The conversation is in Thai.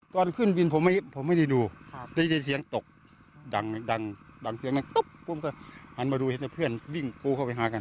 ตอนขึ้นวินผมไม่ได้ดูได้ยินเสียงตกดังดังเสียงดังตุ๊บปุ้มก็หันมาดูเห็นแต่เพื่อนวิ่งกูเข้าไปหากัน